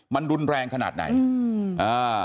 มันรุนแรงขนาดไหน